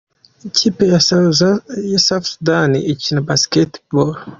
Ikipe ya South Sudan ikina Basketball.